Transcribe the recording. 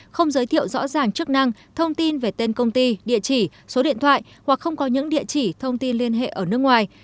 không giới thiệu rõ ràng chức năng thông tin về tên công ty địa chỉ số điện thoại hoặc không có những địa chỉ thông tin liên hệ ở nước ngoài